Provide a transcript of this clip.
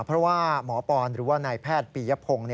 เพราะว่าหมอปอนหรือว่านายแพทย์ปียพงศ์